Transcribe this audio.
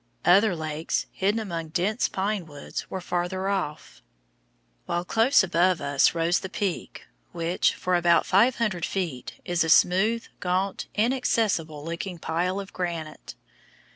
Other lakes, hidden among dense pine woods, were farther off, while close above us rose the Peak, which, for about 500 feet, is a smooth, gaunt, inaccessible looking pile of granite.